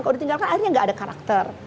kalau ditinggalkan akhirnya nggak ada karakter